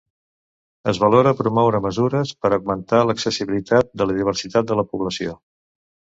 Es valora promoure mesures per augmentar l'accessibilitat de la diversitat de la població.